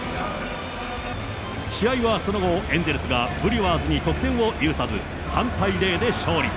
試合はその後、エンゼルスがブリュワーズに得点を許さず、３対０で勝利。